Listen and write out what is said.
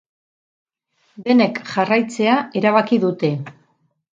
Denek jarraitzea erabaki dute.